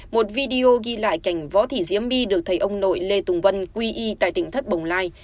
một video ghi lại cảnh võ thị diễm my được thấy ông nội lê tùng vân quy y tại tỉnh thất bồng lai